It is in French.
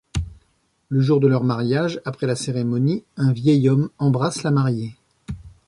Le jour de leur mariage, après la cérémonie, un vieil homme embrasse la mariée.